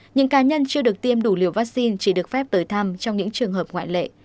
những cá nhân chưa được tiêm đủ liều vaccine chỉ được phép tới thăm trong những trường hợp ngoại lệ